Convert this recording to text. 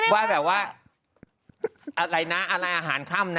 ว่าแบบว่าอะไรนะอะไรอาหารค่ำนะ